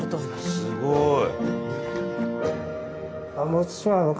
すごい。